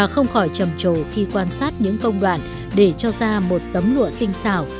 khỏi trầm trồ khi quan sát những công đoạn để cho ra một tấm lụa tinh xảo